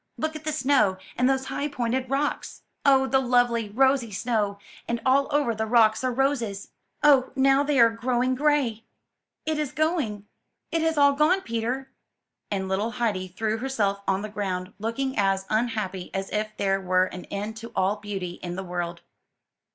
Look at the snow and those high, pointed rocks!" 290 UP ONE PAIR OF STAIRS ''Oh, the lovely, rosy snow! and all over the rocks are roses. Oh, now they are growing gray! It is going! it has all gone, Peter !^' and little Heidi threw herself on the ground, looking as unhappy as if there were an end to all beauty in the world.